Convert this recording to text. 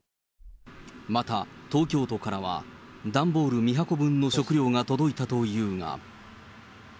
また、東京都からは、段ボール３箱分の食料が届いたというが。